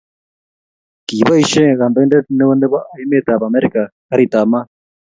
kiiboishe kandoindet neo nebo emet ab Amerika kariit ab maat